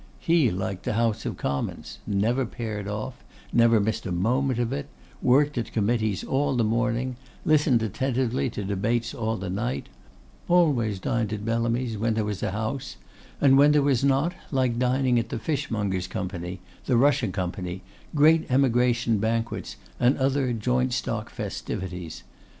He liked the House of Commons; never paired off; never missed a moment of it; worked at committees all the morning, listened attentively to debates all the night; always dined at Bellamy's when there was a house; and when there was not, liked dining at the Fishmongers' Company, the Russia Company, great Emigration banquets, and other joint stock festivities.